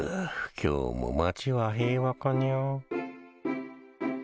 今日も町は平和かにゃ。